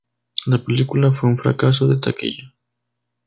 La película fue un fracaso de taquilla.